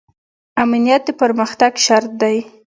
امنیت د پرمختګ شرط دی